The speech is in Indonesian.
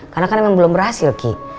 karena kan emang belum berhasil ki